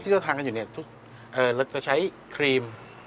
ที่เราทานกันอยู่นี่เราจะใช้ครีม